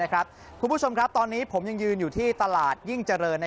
คุณผู้ชมครับตอนนี้ผมยังยืนอยู่ที่ตลาดยิ่งเจริญ